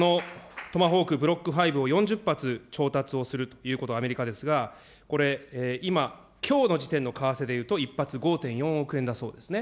ちなみにこのトマホークブロックファイブを４０発調達をするということ、アメリカですが、これ、今、きょうの時点の為替でいうと、１発５．４億円だそうですね。